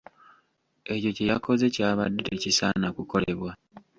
Ekyo kye yakoze kyabadde tekisaana kukolebwa.